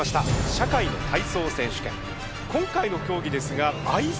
「社会の体操選手権」。